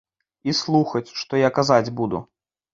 І слухаць, што я казаць буду.